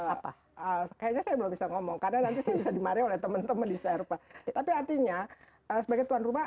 apa kayaknya saya belum bisa ngomong karena nanti saya bisa dimari oleh teman teman di serupa tapi artinya sebagai tuan rumah